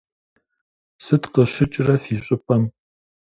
Сыт къыщыкӏрэ фи щӏыпӏэм?